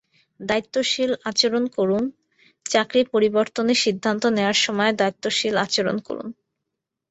দায়িত্বশীল আচরণ করুন চাকরি পরিবর্তনের সিদ্ধান্ত নেওয়ার সময় দায়িত্বশীল আচরণ করুন।